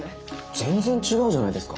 全然違うじゃないですか。